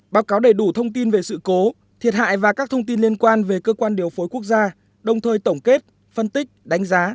báo cáo đầy đủ thông tin về sự cố thiệt hại và các thông tin liên quan về cơ quan điều phối quốc gia đồng thời tổng kết phân tích đánh giá